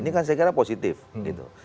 ini kan saya kira positif gitu